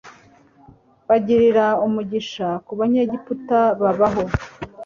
bagirira umugisha ku banyegiputa babaho